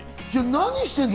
何してんの？